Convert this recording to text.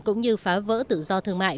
cũng như phá vỡ tự do thương mại